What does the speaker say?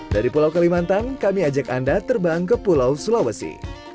dari pulau kalimantan kami ajak anda terbang ke pulau sulawesi